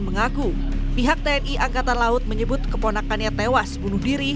mengaku pihak tni angkatan laut menyebut keponakannya tewas bunuh diri